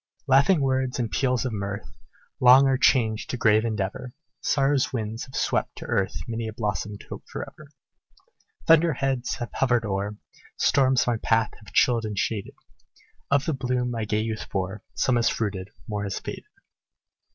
"Laughing words and peals of mirth, Long are changed to grave endeavor; Sorrow's winds have swept to earth Many a blossomed hope forever. Thunder heads have hovered o'er Storms my path have chilled and shaded; Of the bloom my gay youth bore, Some has fruited more has faded."